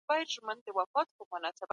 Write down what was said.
اسلام د نورو د عقیدې سپکاوی نه مني.